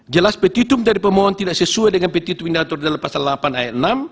jelas petitum dari pemohon tidak sesuai dengan petitum yang diatur dalam pasal delapan ayat enam